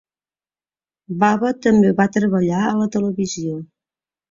Bava també va treballar a la televisió.